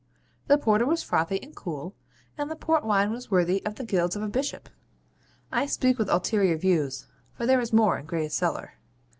The porter was frothy and cool, and the port wine was worthy of the gills of a bishop. I speak with ulterior views; for there is more in Gray's cellar.